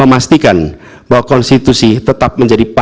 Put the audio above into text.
dan memastikan bahwa konstitusi tetap menjadi pandangan